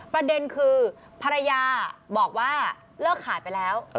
ประเด็นคือภรรยาบอกว่าเลิกขายไปแล้ว